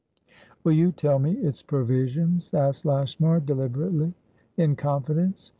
"Will you tell me its provisions?" asked Lashmar, deliberately. "In confidence.